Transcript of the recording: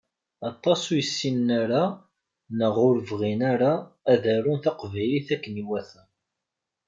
Aṭas ur yessinen ara neɣ ur yebɣin ara ad arun taqbaylit akken i iwata